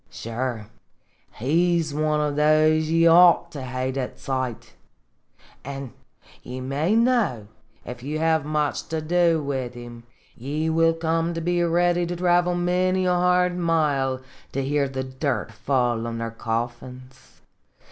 Sure, he 's one of those ye ought to hate at sight; an' ye may know, if ye have much to do wid 'em, ye will come to be ready to travel many a hard mile to hear the dirt fall on their coffins.